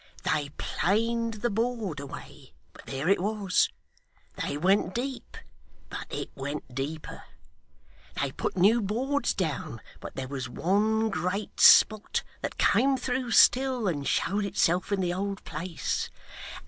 They planed the board away, but there it was. They went deep, but it went deeper. They put new boards down, but there was one great spot that came through still, and showed itself in the old place.